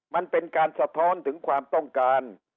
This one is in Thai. มันเป็นการสะท้อนถึงความต้องการ